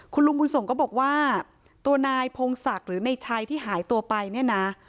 คุณลุงบุญส่งก็บอกว่าตัวนายพงศักดิ์หรือในชัยที่หายตัวไปเนี่ยนะ